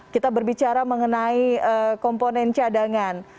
kita berbicara mengenai komponen cadangan